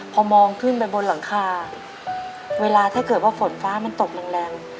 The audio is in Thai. พอมองขึ้นไปบนหลังคาเวลาถ้าเกิดว่าฝนฟ้ามันตกแรง